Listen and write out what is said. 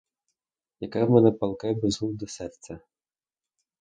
Яке в мене палке безглузде серце!